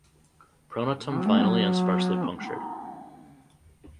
Pronotum finely and sparsely punctured.